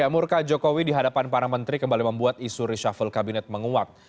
murka jokowi di hadapan para menteri kembali membuat isu reshuffle kabinet menguak